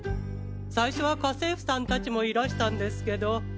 最初は家政婦さんたちもいらしたんですけど。